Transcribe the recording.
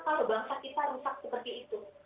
kalau bangsa kita rusak seperti itu